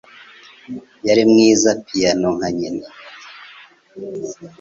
Yari mwiza piyano nka nyina.